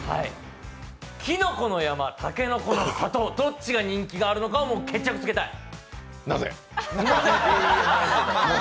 きのこの山、たけのこの里、どっちが人気あるのか決着つけたい。